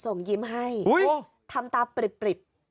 ส่งยิ้มให้ทำตาปริบ